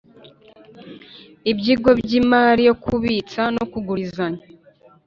Ibyigo by’ imari yo kubitsa no kugurizanya